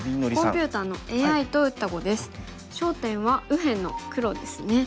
焦点は右辺の黒ですね。